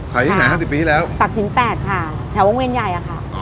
ขายอยู่ไหน๕๐ปีที่แล้วตักศิลป์๘ค่ะแถววงเวรใหญ่ค่ะ